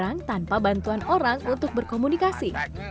dan juga untuk membuat perbentuan orang untuk berkomunikasi